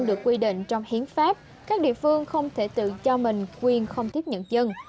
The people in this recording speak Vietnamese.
được quy định trong hiến pháp các địa phương không thể tự cho mình quyền không tiếp nhận dân